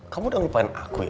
kamu udah lupain aku ya